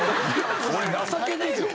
俺情けねえよ。